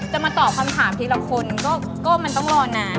จะมาตอบคำถามทีละคนก็มันต้องรอนาน